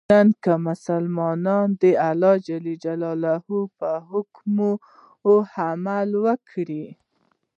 نن که مسلمانان د الله ج په احکامو عمل وکړي.